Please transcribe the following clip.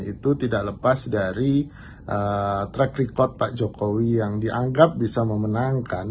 itu tidak lepas dari track record pak jokowi yang dianggap bisa memenangkan